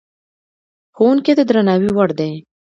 ښوونکی د درناوي وړ دی.